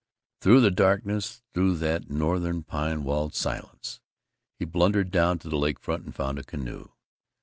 Through the darkness, through that Northern pine walled silence, he blundered down to the lake front and found a canoe.